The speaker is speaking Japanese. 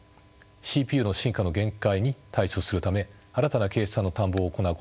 ＣＰＵの進化の限界に対処するため新たな計算の探訪を行うことも大事です。